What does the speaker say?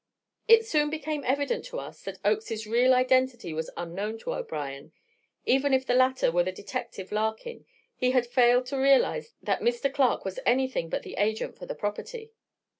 It soon became evident to us that Oakes's real identity was unknown to O'Brien. Even if the latter were the detective Larkin, he had failed to realize that Mr. Clark was anything but the agent for the property.